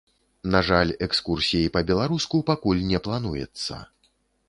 На жаль экскурсій па-беларуску пакуль не плануецца.